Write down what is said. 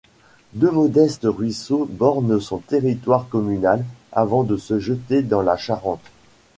Deux modestes ruisseaux bornent son territoire communal avant de se jeter dans la Charente.